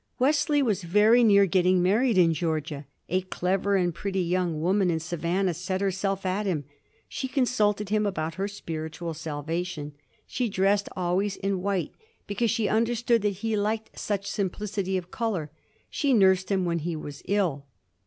Wesley was very near getting married in Georgia. A clever and pretty young woman in Savannah set herself at him. She consulted him about her spiritual salvation, she dressed always in white because she understood that he liked such simplicity of color, she nursed him when he was ill.